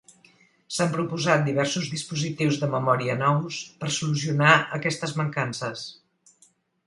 S'han proposat diversos dispositius de memòria nous per solucionar aquestes mancances.